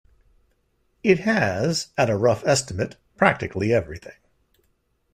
It has, at a rough estimate, practically everything.